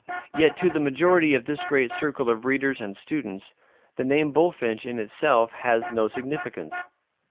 Yet to the majority of this great circle of readers and students the name Bulfinch in itself has no significance.